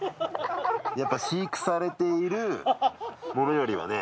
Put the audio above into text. やっぱ飼育されているものよりはね